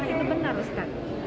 apakah itu benar ustadz